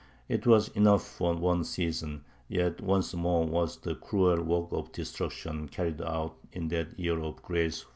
It was enough for one season; yet once more was the cruel work of destruction carried out in that year of grace 1490.